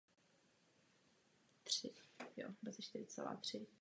Objevil se ve videoklipu Lisy Morgan s názvem „The Club“.